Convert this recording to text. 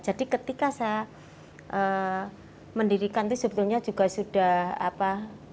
jadi ketika saya mendirikan itu sebetulnya juga sudah apa